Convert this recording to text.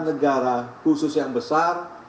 negara khusus yang besar